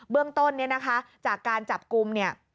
เบื้องต้นนี้นะคะจากการจับกลุ่ม